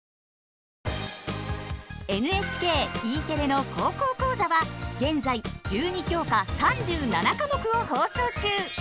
ＮＨＫＥテレの「高校講座」は現在１２教科３７科目を放送中。